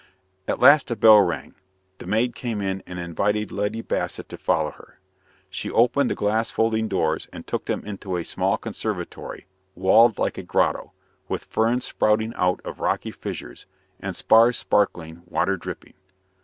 At last a bell rang; the maid came in and invited Lady Bassett to follow her. She opened the glass folding doors and took them into a small conservatory, walled like a grotto, with ferns sprouting out of rocky fissures, and spars sparkling, water dripping.